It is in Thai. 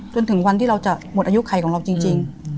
จนถึงวันที่เราจะหมดอายุไขของเราจริง